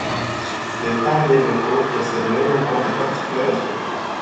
Les parlers locaux possèdent néanmoins des particularités.